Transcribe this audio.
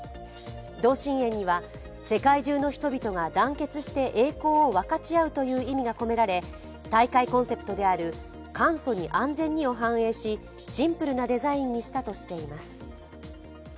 同心円には世界中の人々が団結して栄光を分かち合うという意味が込められ、大会コンセプトである簡素に安全にを反映しシンプルなデザインにしたとしています。